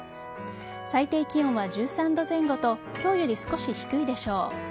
最低気温は１３度前後と今日より少し低いでしょう。